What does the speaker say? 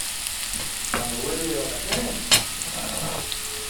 ¿Cuándo vuelve de vacaciones?